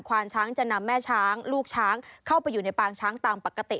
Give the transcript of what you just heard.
วานช้างจะนำแม่ช้างลูกช้างเข้าไปอยู่ในปางช้างตามปกติ